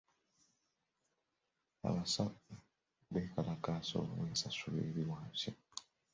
Abasawo beekalakaasa olw'ensasula eri wansi.